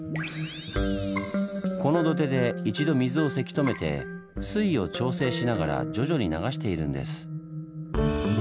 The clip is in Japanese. この土手で一度水をせき止めて水位を調整しながら徐々に流しているんです。